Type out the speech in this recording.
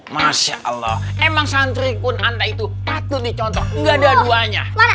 masya allah emang santri pun anda itu patut dicontoh nggak ada duanya